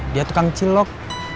dia tukang cilok